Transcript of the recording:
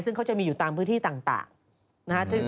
ซึ่งเขาจะมีอยู่ตามพื้นที่ต่าง